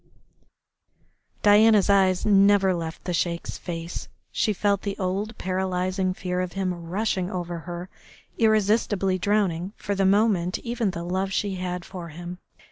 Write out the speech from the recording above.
Diana's eyes never left the Sheik's face, she felt the old paralysing fear of him rushing over her, irresistibly drowning for the moment even the love she had for him.